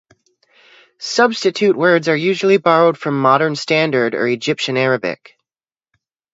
Substitute words are usually borrowed from Modern Standard or Egyptian Arabic.